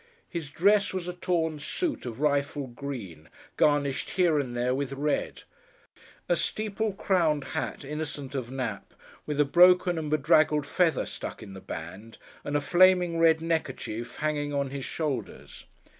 His dress was a torn suit of rifle green, garnished here and there with red; a steeple crowned hat, innocent of nap, with a broken and bedraggled feather stuck in the band; and a flaming red neckerchief hanging on his shoulders.